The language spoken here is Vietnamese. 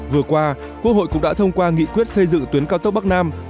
vừa qua quốc hội cũng đã thông qua nghị quyết xây dựng tuyến cao tốc bắc nam